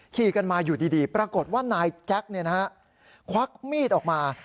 ขี่กันมาอยู่ดีปรากฏว่านายแจ๊คควักมีดออกมา